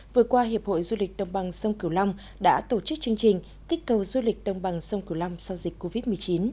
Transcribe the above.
vừa qua hiệp hội du lịch đồng bằng sông cửu long đã tổ chức chương trình kích cầu du lịch đồng bằng sông cửu long sau dịch covid một mươi chín